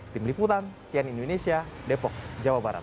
tim liputan sian indonesia depok jawa barat